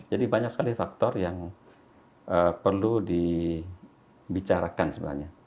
jadi banyak sekali faktor yang perlu dibicarakan sebenarnya